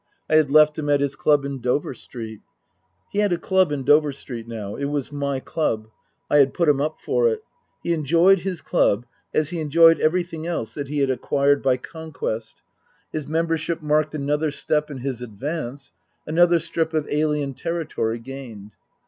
I had left him at his club in Dover Street. (He had a club in Dover Street now ; it was my club ; I had put him up for it. He enjoyed his club as he enjoyed everything else that he had ac quired by conquest ; his membership marked another step in his advance, another strip of alien territory gained.